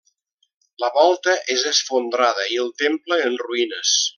La volta és esfondrada i el temple en ruïnes.